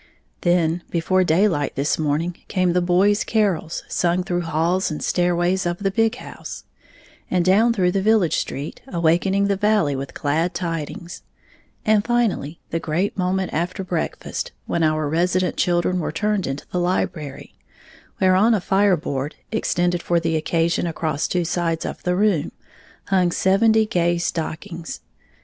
Then, before daylight this morning, came the boys' carols, sung through halls and stairways of the big house, and down through the village street, awakening the valley with the glad tidings; and, finally, the great moment after breakfast, when our resident children were turned into the library, where, on a "fireboard" extended for the occasion across two sides of the room, hung seventy gay stockings.